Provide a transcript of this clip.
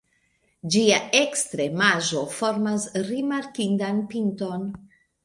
Ĝia ekstremaĵo formas rimarkindan pinton.